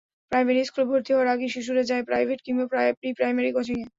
Primary স্কুলে ভর্তি হওয়ার আগেই শিশুরা যায় প্রাইভেট, কিংবা প্রি-প্রাইমারি কোচিংয়ে।